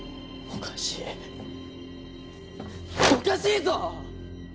おかしいぞ！